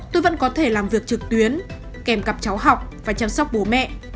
tôi vẫn có thể làm việc trực tuyến kèm cặp cháu học và chăm sóc bố mẹ